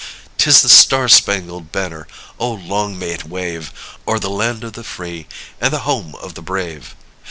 'Tis the Star Spangled Banner oh, long may it wave O'er the land of the free and the home of the brave!